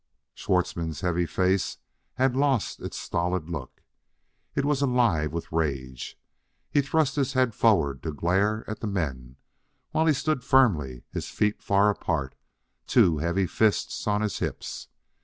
Schwartzmann's heavy face had lost its stolid look; it was alive with rage. He thrust his head forward to glare at the men, while he stood firmly, his feet far apart, two heavy fists on his hips.